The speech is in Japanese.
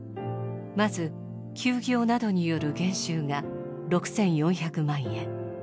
まず休業などによる減収が６４００万円。